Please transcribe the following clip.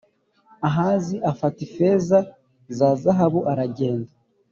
Ahazi afata ifeza na zahabu aragenda